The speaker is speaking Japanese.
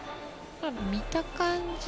見た感じ